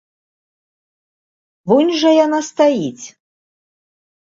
Вунь жа яна стаіць.